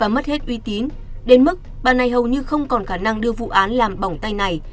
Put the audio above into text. mất hết uy tín đến mức bà này hầu như không còn khả năng đưa vụ án làm bỏng tay này